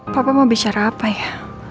papa mau bicara apa ya